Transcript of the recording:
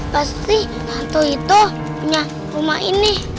pasti hantu itu punya rumah ini